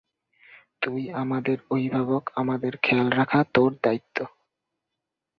তুই আমাদের অভিবাবক, আমদের খেয়াল রাখা তোর দায়িত্ব।